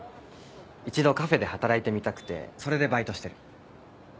一度カフェで働いてみたくてそれでバイトしてる。